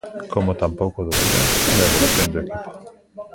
Como tampouco dubida da evolución do equipo.